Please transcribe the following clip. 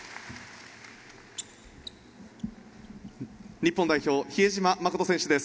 日本代表、比江島慎選手です。